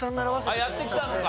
あっやってきたのか。